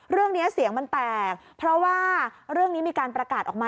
เรื่องนี้เสียงมันแตกเพราะว่าเรื่องนี้มีการประกาศออกมา